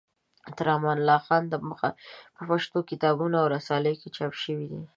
تر امان الله خان د مخه په پښتو کتابونه او رسالې چاپ شوې دي.